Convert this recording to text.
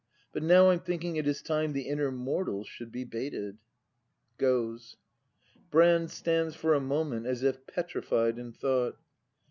— But now I'm thinking it is time The inner mortal should be baited. [Goes. Brand. [Stands for a moment as if petrified in thought.